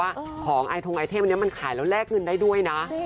ว่าของไอทงไอเทพอันนี้มันขายแล้วแลกเงินได้ด้วยนะ